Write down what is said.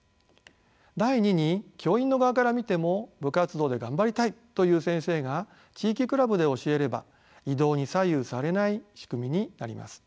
第二に教員の側から見ても部活動で頑張りたいという先生が地域クラブで教えれば異動に左右されない仕組みになります。